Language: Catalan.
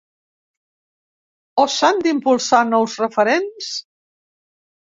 O s’han d’impulsar nous referents?